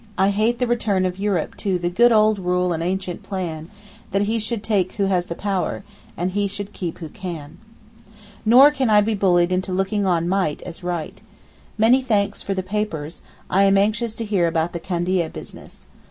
I hate the return of Europe to 'The good old rule and ancient plan, That he should take who has the power, And he should keep who can.' Nor can I be bullied into looking on 'might' as 'right.' Many thanks for the papers, I am anxious to hear about the Candia business.